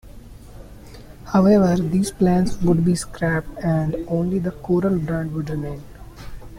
However, these plans would be scrapped, and only the Corel brand would remain.